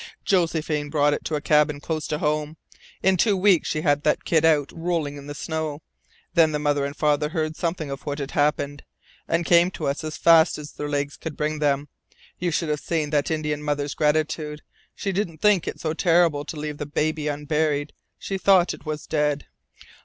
"Josephine brought it to a cabin close to home, in two weeks she had that kid out rolling in the snow. Then the mother and father heard something of what had happened, and came to us as fast as their legs could bring them. You should have seen that Indian mother's gratitude! She didn't think it so terrible to leave the baby unburied. She thought it was dead.